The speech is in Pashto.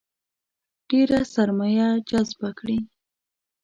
ډېره سرمایه جذبه کړي.